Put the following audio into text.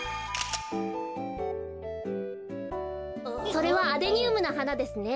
それはアデニウムのはなですね。